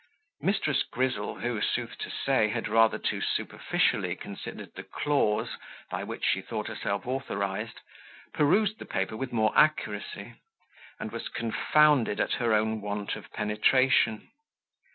Mrs. Grizzle, who, sooth to say, had rather too superficially considered the clause by which she thought herself authorized, perused the paper with more accuracy, and was confounded at her own want of penetration.